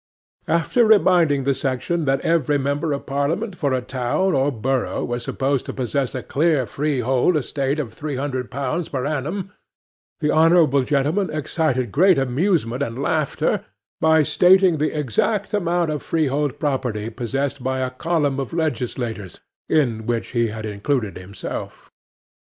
After reminding the section that every member of Parliament for a town or borough was supposed to possess a clear freehold estate of three hundred pounds per annum, the honourable gentleman excited great amusement and laughter by stating the exact amount of freehold property possessed by a column of legislators, in which he had included himself.